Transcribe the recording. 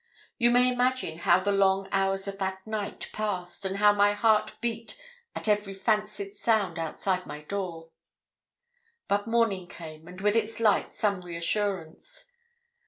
You may imagine how the long hours of that night passed, and how my heart beat at every fancied sound outside my door. But morning came, and with its light some reassurance.